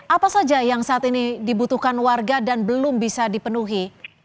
apa saja yang saat ini dibutuhkan warga dan belum bisa dipenuhi